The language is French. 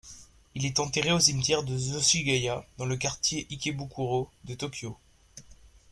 Il est enterré au cimetière Zoshigaya dans le quartier Ikebukuro de Tokyo.